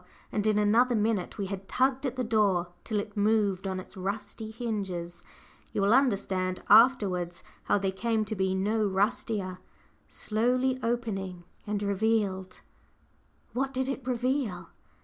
And in another minute we had tugged at the door till it moved on its rusty hinges you will understand afterwards how they came to be no rustier slowly opening and revealed What did it reveal?